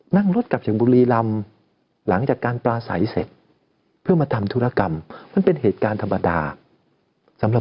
นั่งรถกลับจากบุรีลำหลังจากการปลาใสเสร็จ